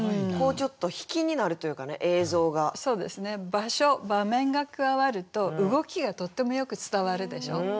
場所場面が加わると動きがとってもよく伝わるでしょ。